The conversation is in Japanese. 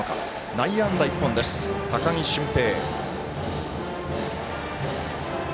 内野安打１本です、高木馴平。